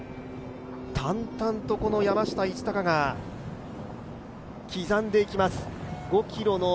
淡々と山下一貴が刻んでいきます。